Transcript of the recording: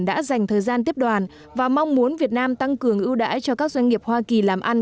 đã dành thời gian tiếp đoàn và mong muốn việt nam tăng cường ưu đãi cho các doanh nghiệp hoa kỳ làm ăn